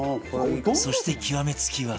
そして極め付きは